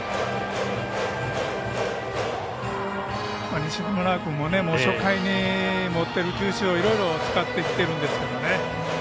西村君も初回に持っている球種をいろいろ使ってきているんですけれども。